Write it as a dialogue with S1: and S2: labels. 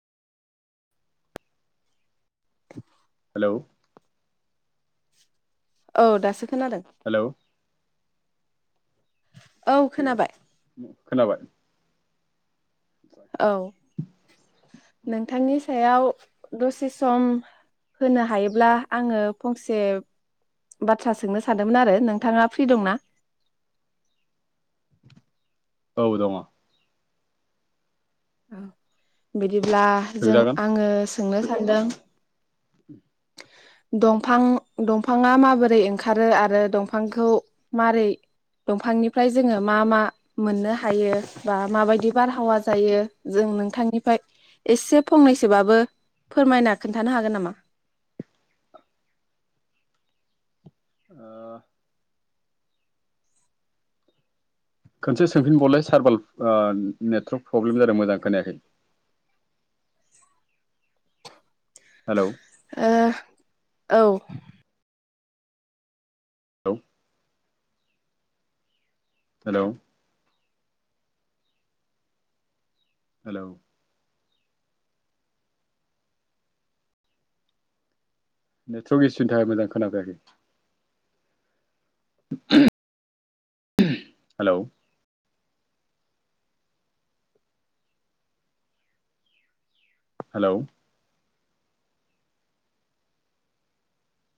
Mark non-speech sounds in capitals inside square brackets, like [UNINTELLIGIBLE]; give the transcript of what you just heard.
S1: [UNINTELLIGIBLE]
S2: Hello
S1: औ दासो खोनादों
S2: हेलौ
S1: औ खोनाबाय
S2: खोनाबाय
S1: औ नोंथांनि याव दसे सम होनो हायोब्ला आङो फंसे बाथ्रा सोंनो सानदोंमोन आरो नोंथाङा फ्रि दंना
S2: औ दङ।
S1: बि दिब्ला जों
S2: सोंजागोन
S1: आङो सोंनो सानदों दंफां दंफाङा माबोरै ओं खारो
S2: ओ,
S1: आरो दंफांखौ मारै दंफांनिफ्राय जोङो मा मा मोननो हायो बा माबायदि बारहावा जायो जों नोंथांनिफायय एसे फंनैसोबाबो फोरमायना खोन्थानो हागोन नामा?
S2: ओ खोनसे सोंफिनबावलाय सारबाल नेटवर्क ओ प्रब्लेम जादों मोजां खोनायाखै। हेलौ
S1: ओ औ।
S2: औ। हेलौ? हेलौ? नेटवर्क इसुनि थाखाय मोजां खोनाफैयाखै। [INAUDIBLE] हेलौ? हेलौ?